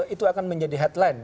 itu akan menjadi headline